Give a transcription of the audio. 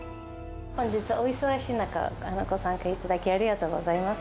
本日はお忙しい中、ご参加いただきありがとうございます。